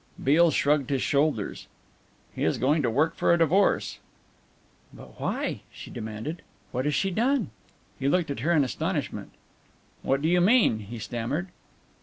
Beale shrugged his shoulders. "He is going to work for a divorce." "But why?" she demanded. "What has she done?" He looked at her in astonishment. "What do you mean?" he stammered.